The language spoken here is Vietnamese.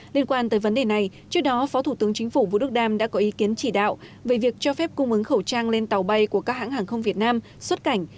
liên quan tới vấn đề này trước đó phó thủ tướng chính phủ vũ đức đam đã có ý kiến chỉ đạo về việc cho phép cung ứng khẩu trang lên tàu bay của các hãng hàng không việt nam xuất cảnh